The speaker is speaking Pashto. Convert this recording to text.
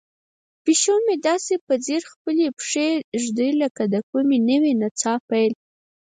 پیشو مې داسې په ځیر خپلې پښې ږدوي لکه د کومې نوې نڅا پیل.